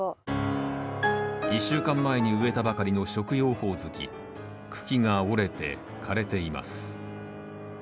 １週間前に植えたばかりの茎が折れて枯れています